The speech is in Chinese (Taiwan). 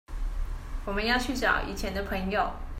我們要去找以前的朋友